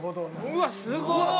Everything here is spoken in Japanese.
うわっすごい。